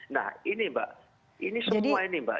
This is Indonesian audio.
nah ini mbak ini semua ini mbak